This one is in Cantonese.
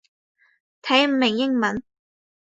睇唔明英文